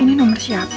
ini nomor siapa ya